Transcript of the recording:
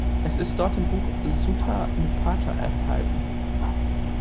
Es ist dort im Buch "Sutta-Nipata" enthalten.